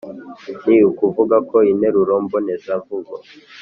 Ni ukuvuga ko interuro mbonezamvugo